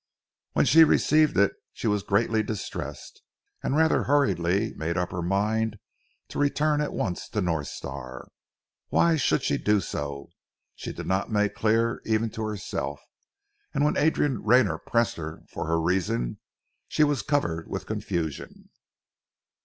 When she received it, she was greatly distressed, and rather hurriedly made up her mind to return at once to North Star. Why she should do so, she did not make clear even to herself; and when Adrian Rayner pressed her for her reason, she was covered with confusion.